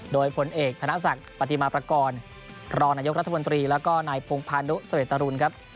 โดยผลเอกธนสักปฏิมาประกอร์นรนรัฐบนตรีแล้วก็นายพงภัณฑ์ดุเสวตรุนครับ